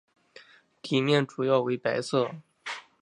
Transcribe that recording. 底面主要为白色。